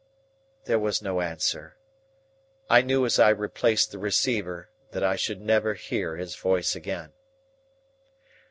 There was no answer. I knew as I replaced the receiver that I should never hear his voice again.